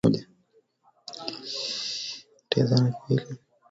Mia tisa na sitini hadi mwaka wa elfu moja mia